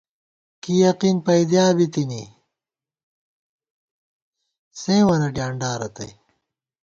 کی یقین پیدیا بی تی تِنی، سېوں وَنہ ڈیانڈا رتئ